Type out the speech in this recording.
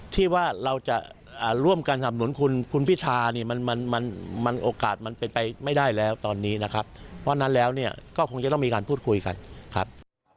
ที่ว่าเราจะร่วมกันดำหนุนคุณพิธาโอกาสมันไปไม่ได้แล้วตอนนี้นะครับ